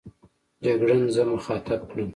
جګړن زه مخاطب کړم.